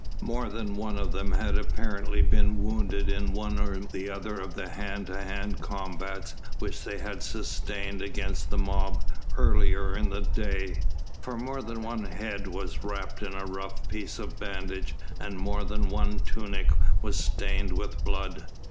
More than one of them had apparently been wounded in one or other of the hand to hand combats which they had sustained against the mob earlier in the day, for more than one head was wrapped in a rough piece of bandage and more than one tunic was stained with blood.